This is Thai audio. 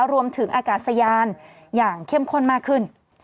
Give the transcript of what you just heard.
รวมถึงอากาศยานอย่างเข้มข้นมากขึ้น